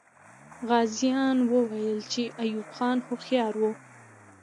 غازیان وویل چې ایوب خان هوښیار وو.